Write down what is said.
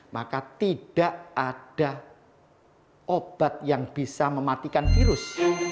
maka tidak ada obat yang bisa mematikan virus